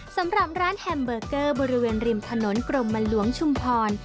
สำหรับร้านแฮมเบอร์เกอร์บริเวณริมถนนกรมหลวงชุมพร